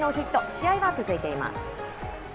試合は続いています。